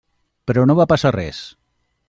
Però no va passar res.